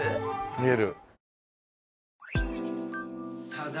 見える。